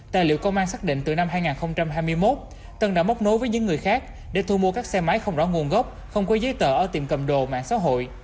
tài liệu công an xác định từ năm hai nghìn hai mươi một tân đã móc nối với những người khác để thu mua các xe máy không rõ nguồn gốc không có giấy tờ ở tiệm cầm đồ mạng xã hội